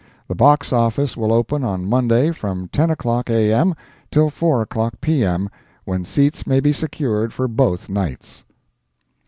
The box office will open on Monday from 10 o'clock A.M. till 4 o'clock P.M. when seats may be secured for both nights.